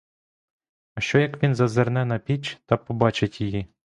А що як він зазирне на піч та побачить її?